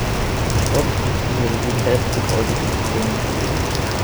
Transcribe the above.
Stock des Universitätsgebäudes zugänglich.